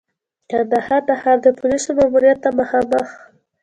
کندهار د ښار د پولیسو ماموریت ته مخامخ.